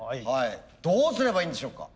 どうすればいいんでしょうか。